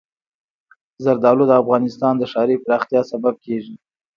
زردالو د افغانستان د ښاري پراختیا سبب کېږي.